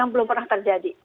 belum pernah terjadi